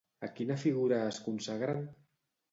A quina figura es consagren?